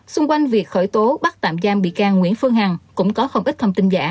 xung quanh việc khởi tố bắt tạm giam bị can nguyễn phương hằng cũng có không ít thông tin giả